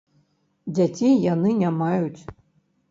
Дзяцей яны не маюць.